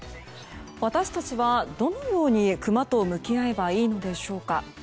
私たちはどのようにクマと向き合えばいいのでしょうか。